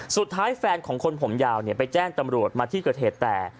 แฟนของคนผมยาวไปแจ้งตำรวจมาที่เกิดเหตุแต่